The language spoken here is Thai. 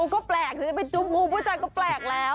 ก็แปลกสิไปจุ้มงูผู้ชายก็แปลกแล้ว